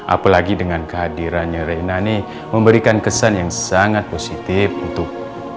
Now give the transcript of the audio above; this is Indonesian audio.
apalagi dengan kehadirannya reina ini memberikan kesan yang sangat positif untuk